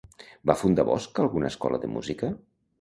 Va fundar Bosch alguna escola de música?